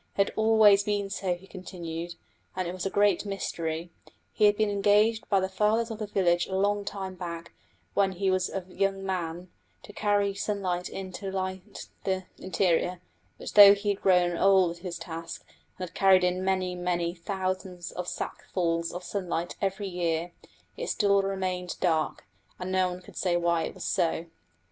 It had always been so, he continued, and it was a great mystery; he had been engaged by the fathers of the village a long time back, when he was a young man, to carry sunlight in to light the interior; but though he had grown old at his task, and had carried in many, many thousands of sackfuls of sunlight every year, it still remained dark, and no one could say why it was so.